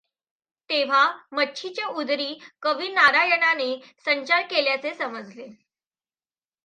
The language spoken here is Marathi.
तेव्हा मच्छीच्या उदरी कविनारायणाने संचार केल्याचे समजले.